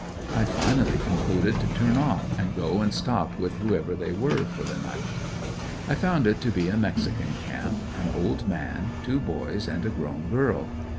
I finally concluded to turn off and go and stop with whoever they were for the night. I found it to be a mexican camp, an old man, two boys and a grown girl.